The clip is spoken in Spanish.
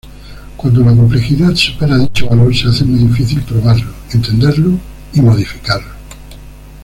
Cuando la complejidad supera dicho valor se hace muy difícil probarlo, entenderlo y modificarlo.